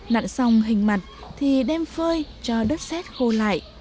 nặn xong hình mặt thì đem phơi cho đất xét khô lại